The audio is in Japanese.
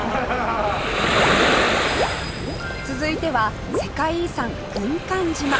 続いては世界遺産軍艦島